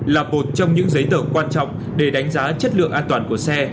là một trong những giấy tờ quan trọng để đánh giá chất lượng an toàn của xe